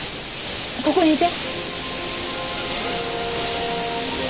ここにいて！